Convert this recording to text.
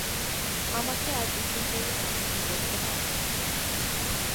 আমাকে আর উকিলবাড়ি হাঁটাহাঁটি করিতে হয় নাই।